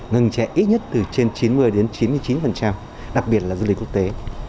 ngừng trẻ ít nhất từ trên chín mươi đến chín mươi chín đặc biệt là du lịch quốc tế